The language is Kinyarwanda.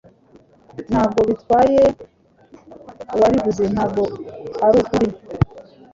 Ntabwo bitwaye uwabivuze ntabwo arukuri